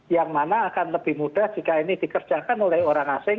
yang mana akan lebih mudah jika ini dikerjakan oleh orang asing